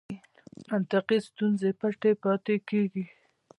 منطقي ستونزې پټې پاتې کېږي.